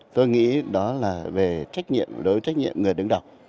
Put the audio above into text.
tôi nghĩ đó là về trách nhiệm đối với trách nhiệm người đứng đầu